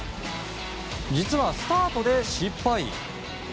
実は、スタートで失敗。